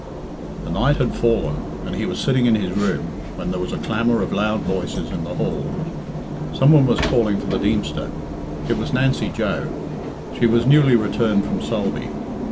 The night had fallen, and he was sitting in his room, when there was a clamour of loud voices in the hall. Some one was calling for the Deemster. It was Nancy Joe. She was newly returned from Sulby.